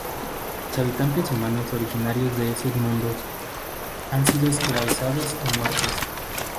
Los habitantes humanos originarios de esos mundos, han sido esclavizados o muertos.